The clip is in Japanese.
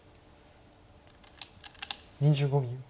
２５秒。